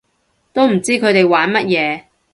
都唔知佢哋玩乜嘢